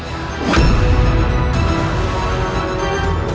ketika kau sudah menguasai berjamusi tingkat ketiga